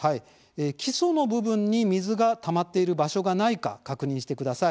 基礎の部分に水がたまっている場所がないか確認してください。